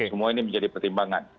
semua ini menjadi pertimbangan